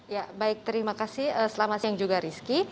ya baik terima kasih selamat siang juga rizky